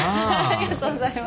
ありがとうございます。